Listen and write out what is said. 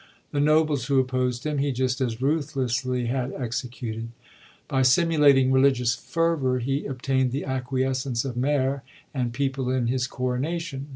The nobles who opposed him, he just as ruthlessly had executed. By simulating i*eligious fervour, he obtaind the acquiescence of mayor and people in his coronation.